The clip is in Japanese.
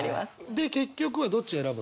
で結局はどっち選ぶんですか？